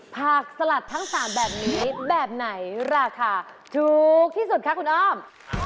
ผักสลัดทั้ง๓แบบนี้แบบไหนราคาถูกที่สุดคะคุณอ้อม